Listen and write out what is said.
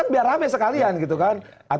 biar rame sekalian gitu kan